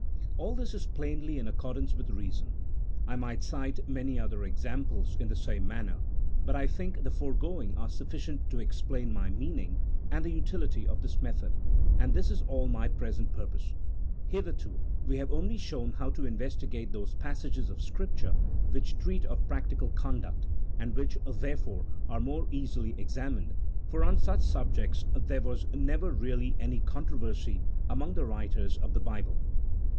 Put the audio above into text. All this is plainly in accor dance with reason. I might cite many other examples in the same manner, but I think the foregoing are sufficient to explain my meaning and the utility of this method, and this is all my present purpose. Hitherto we have only shown how to investigate those passages of Scripture which treat of practical conduct, and which, therefore, are more easily examined, for on such subjects there was never really any controversy among the writers of the Bible.